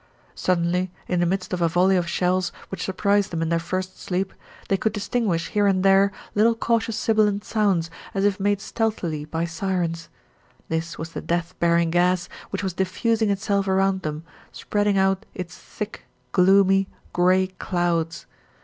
Suddenly in the midst of a volley of shells which surprised them in their first sleep, they could distinguish, here and there, little cautious sibilant sounds, as if made stealthily by sirens. This was the death bearing gas which was diffusing itself around them, spreading out its thick, gloomy, grey clouds.